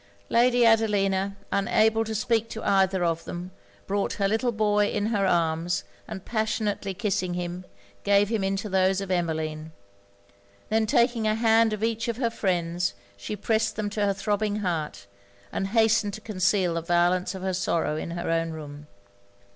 Lady Adelina, unable to speak to either of them, brought her little boy in her arms, and passionately kissing him, gave him into those of Emmeline. Then taking a hand of each of her friends, she pressed them to her throbbing heart, and hastened to conceal the violence of her sorrow in her own room.